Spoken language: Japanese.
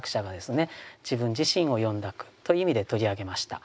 自分自身を詠んだ句という意味で取り上げました。